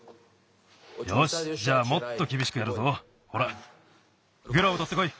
よしじゃあもっときびしくやるぞ。ほらグローブとってこい。